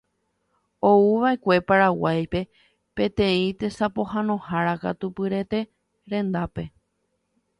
Ouva'ekue Paraguaýpe peteĩ tesapohãnohára katupyryete rendápe